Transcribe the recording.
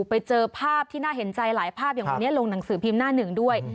ไปเจอภาพที่น่าเห็นใจหลายภาพอย่างวันนี้ลงหนังสือพิมพ์หน้าหนึ่งด้วย